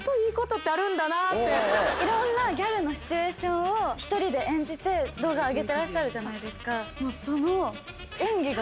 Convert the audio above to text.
いろんなギャルのシチュエーションを１人で演じて動画を上げてるじゃないですか。